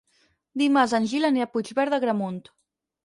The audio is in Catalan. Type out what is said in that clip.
Dimarts en Gil anirà a Puigverd d'Agramunt.